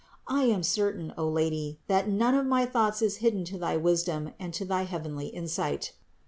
I am certain, O Lady, that none of my thoughts is hidden to thy wisdom and to thy heavenly insight.